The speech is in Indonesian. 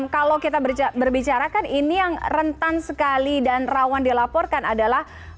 kalau kita berbicara kan ini yang rentan sekali dan rawan dilaporkan adalah